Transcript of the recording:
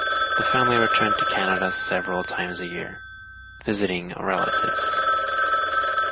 The family returned to Canada several times a year, visiting relatives.